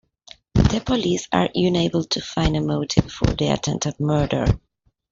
The police are unable to find a motive for the attempted murder.